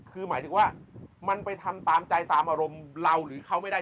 คือหมายถึงว่ามันไปทำตามใจตามอารมณ์เราหรือเขาไม่ได้